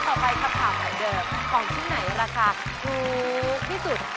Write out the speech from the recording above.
ข้อออกไปค้าปะเผื่อนเนอร์ของที่ไหนราคาถูกที่ตรบ